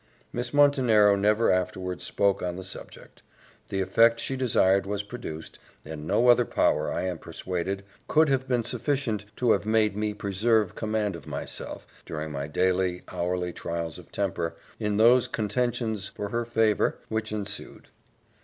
Miss Montenero never afterwards spoke on the subject; the effect she desired was produced, and no other power, I am persuaded, could have been sufficient to have made me preserve command of myself, during my daily, hourly trials of temper, in those contentions for her favour which ensued.